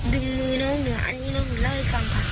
ดึงมือแล้วก็มันมีเลยหนูก็โทรไปบอกแม่แม่มารับตัวไปหลุงพยาบาล